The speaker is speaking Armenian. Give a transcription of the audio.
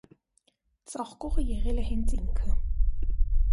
Ծաղկողը եղել է հենց ինքը։